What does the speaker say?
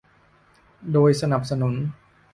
โดยสนับสนุน